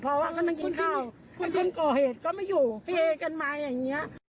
เพราะว่ากำลังกินข้าวคนก่อเหตุก็ไม่อยู่พี่เอกันมาอย่างนี้